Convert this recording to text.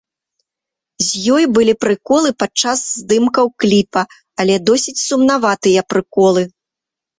З ёй былі прыколы падчас здымкаў кліпа, але досыць сумнаватыя прыколы.